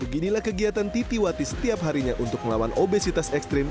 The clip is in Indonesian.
beginilah kegiatan titiwati setiap harinya untuk melawan obesitas ekstrim